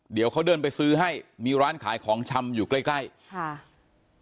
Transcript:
เดี๋ยวเขาเดินไปซื้อให้มีร้านขายของชำอยู่ใกล้ใกล้ค่ะ